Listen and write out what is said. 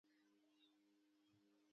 پالمر تر اټک را اوښتی دی.